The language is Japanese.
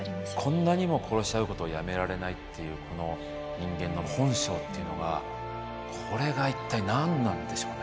こんなにも殺し合うことをやめられないっていうこの人間の本性っていうのがこれが一体何なんでしょうね。